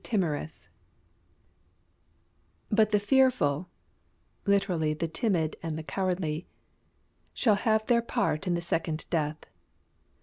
TIMOROUS "But the fearful [literally, the timid and the cowardly] shall have their part in the second death."